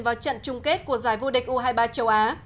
vào trận chung kết của giải vô địch u hai mươi ba châu á